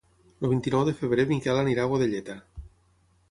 El vint-i-nou de febrer en Miquel irà a Godelleta.